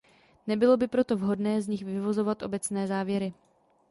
Nebylo by proto vhodné z nich vyvozovat obecné závěry.